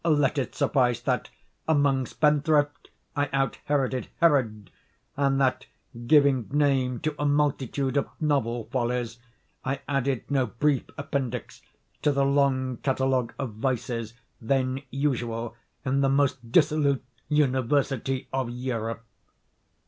Let it suffice, that among spendthrifts I out Heroded Herod, and that, giving name to a multitude of novel follies, I added no brief appendix to the long catalogue of vices then usual in the most dissolute university of Europe.